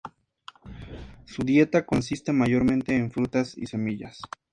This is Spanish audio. Su dieta consiste mayormente en frutas y semillas.